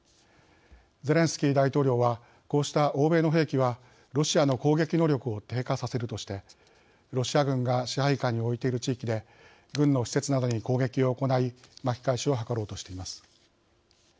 ゼレンスキー大統領はこうした欧米の兵器はロシアの攻撃能力を低下させるとしてロシア軍が支配下に置いている地域で軍の施設などに攻撃を行い巻き返しを図ろうとしています。